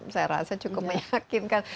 saya rasa cukup meyakinkan